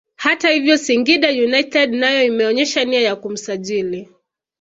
Hata hivyo Singida United nayo imeonyesha nia ya kumsajili